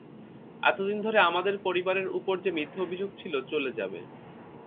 এতদিন ধরে আমাদের পরিবারের উপর যে মিথ্যে অভিযোগ ছিল চলে যাবে।